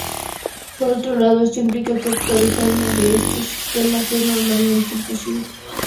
Por otro lado, esto implica que actualizar uno de estos sistemas es normalmente imposible.